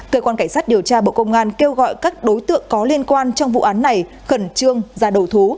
cơ quan cảnh sát điều tra bộ công an kêu gọi các đối tượng có liên quan trong vụ án này khẩn trương ra đầu thú